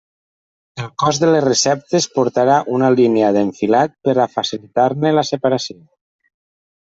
El cos de les receptes portarà una línia d'enfilat per a facilitar-ne la separació.